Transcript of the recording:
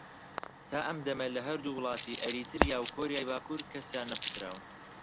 تا ئەم دەمە لە هەردوو وڵاتی ئەریتریا و کۆریای باکوور کەسیان نەکوتراون